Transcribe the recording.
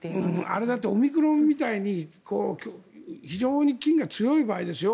あれだってオミクロンみたいに非常に菌が強い場合ですよ。